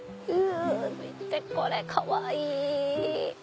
見て！これかわいい！